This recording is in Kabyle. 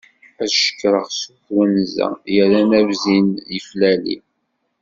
Ad cekreɣ sut twenza, yerran abzim yeflali.